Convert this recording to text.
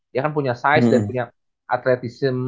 dia kan punya size dan punya atletisme